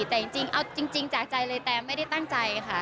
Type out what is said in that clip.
แต่จริงจากใจเลยแต่ไม่ได้ตั้งใจค่ะ